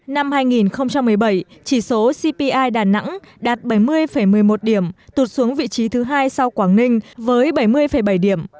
năm hai nghìn một mươi bảy chỉ số cpi đà nẵng đạt bảy mươi một mươi một điểm tụt xuống vị trí thứ hai sau quảng ninh với bảy mươi bảy điểm